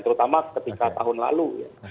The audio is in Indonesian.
terutama ketika tahun lalu